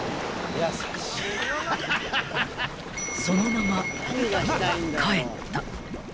［そのまま］